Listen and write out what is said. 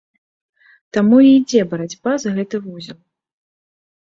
Таму і ідзе барацьба за гэты вузел.